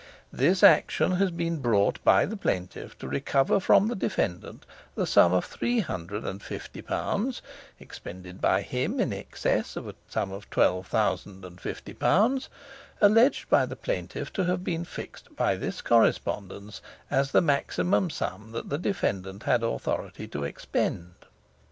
This action has been brought by the plaintiff to recover from the defendant the sum of three hundred and fifty pounds expended by him in excess of a sum of twelve thousand and fifty pounds, alleged by the plaintiff to have been fixed by this correspondence as the maximum sum that the defendant had authority to expend.